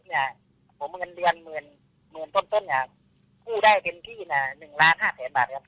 ยากว่าเดือนเมืองกล้องต้นกล้องได้เป็น๑ล้าน๕เส้นบาท